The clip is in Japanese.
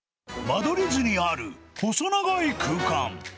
間取り図にある細長い空間。